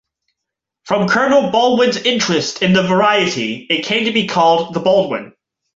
From Colonel Baldwin's interest in the variety it came to be called the Baldwin.